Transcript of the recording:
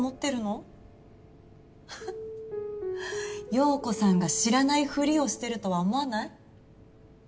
陽子さんが知らないふりをしてるとは思わない？